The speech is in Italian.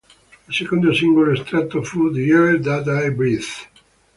Il secondo singolo estratto fu "The Air That I Breathe".